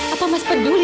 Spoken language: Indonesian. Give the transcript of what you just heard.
apa mas peduli